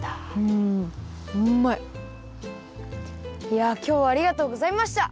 いやきょうはありがとうございました！